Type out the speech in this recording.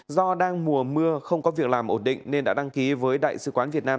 do đang mùa mưa không có việc làm ổn định nên đã đăng ký với đại sứ quán việt nam